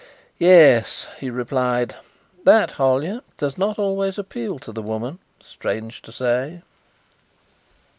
"Yes," he replied. "That, Hollyer, does not always appeal to the woman, strange to say."